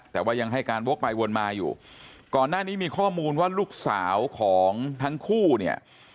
แต่ว่ายังให้การวกไปวนมาอยู่ก่อนหน้านี้มีข้อมูลว่าลูกสาวของทั้งคู่เนี่ย